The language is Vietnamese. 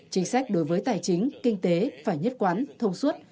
chính sách đối với tài chính kinh tế phải nhất quán thông suốt